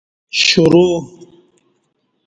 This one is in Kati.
شُرو